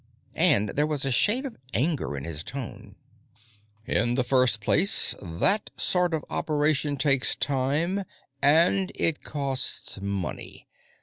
And there was a shade of anger in his tone. "In the first place, that sort of operation takes time, and it costs money.